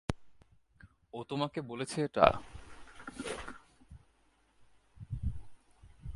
ও তোমাকে বলেছে এটা?